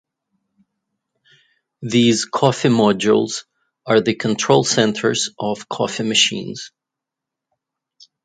These coffee modules are the control centres of coffee machines.